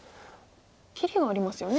切りがありますよね。